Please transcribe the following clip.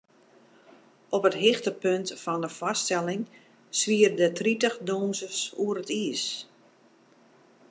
Op it hichtepunt fan de foarstelling swiere der tritich dûnsers oer it iis.